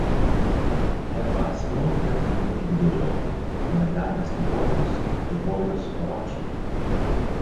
È apparsa inoltre in molti videogiochi come "Dynasty Warriors" e "Warriors Orochi".